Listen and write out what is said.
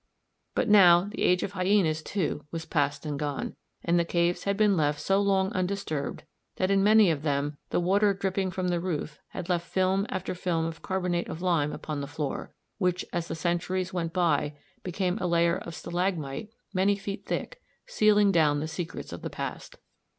But now the age of hyænas, too, was past and gone, and the caves had been left so long undisturbed that in many of them the water dripping from the roof had left film after film of carbonate of lime upon the floor, which as the centuries went by became a layer of stalagmite many feet thick, sealing down the secrets of the past.